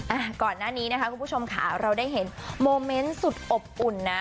อ่าก่อนหน้านี้นะคะคุณผู้ชมค่ะเราได้เห็นโมเมนต์สุดอบอุ่นนะ